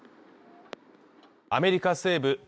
アメリカ西部